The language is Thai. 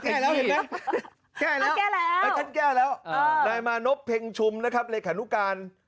แก้แล้วท่านแก้แล้วในมานบเพ็งชุมนะครับฤทธิ์ฯธนุกาล